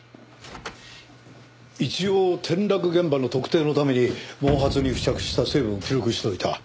一応転落現場の特定のために毛髪に付着した成分を記録しておいた。